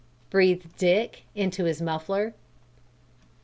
breathed Dick into his muffler.